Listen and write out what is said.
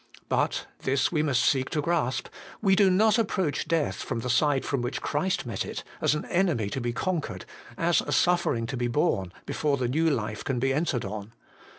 But this we must seek to grasp we do not approach death from the side from which Christ met it, as an enemy to be conquered, as a suffering to be borne, before the new life can be entered on.